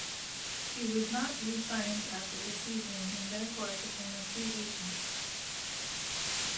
He was not re-signed after the season and therefore became a free agent.